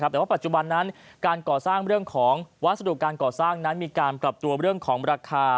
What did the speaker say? แต่ว่าปัจจุบันนั้นการก่อสร้างเรื่องของวัสดุการก่อสร้างนั้นมีการปรับตัวเรื่องของราคา